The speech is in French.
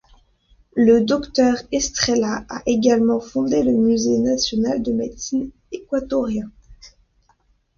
Le docteur Estrella a également fondé le Musée national de médecine équatorien.